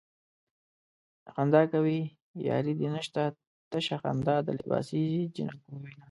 خندا کوې ياري دې نشته تشه خندا د لباسې جنکو وينه